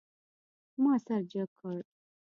ما سر جګ کړ.